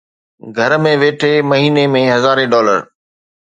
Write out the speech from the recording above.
گهر ۾ ويٺي مهيني ۾ هزارين ڊالر